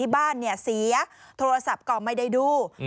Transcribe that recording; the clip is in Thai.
บ้านเนี่ยเสียโทรศัพท์ก่อนไม่ได้ดู